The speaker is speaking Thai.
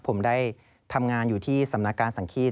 ผมได้ทำงานอยู่ที่สำนักการสังฆีต